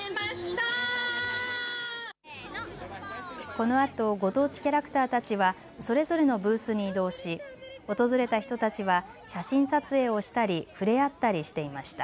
このあとご当地キャラクターたちはそれぞれのブースに移動し訪れた人たちは写真撮影をしたり触れ合ったりしていました。